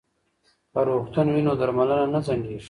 که روغتون وي نو درملنه نه ځنډیږي.